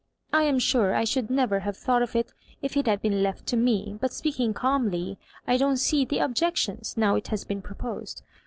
" I am sure I should never have thoaght of it, if it had been left to m^; but spealdng calmly, I don't see the objectioBS, now it has been proposed.